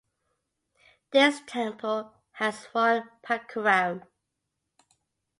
This temple has one prakaram.